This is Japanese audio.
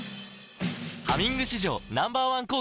「ハミング」史上Ｎｏ．１抗菌